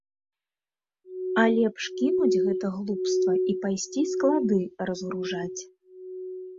А лепш кінуць гэта глупства і пайсці склады разгружаць.